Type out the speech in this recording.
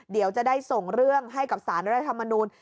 เดี๋ยวจะได้ส่งเรื่องให้กับสารรัฐธรรมนูล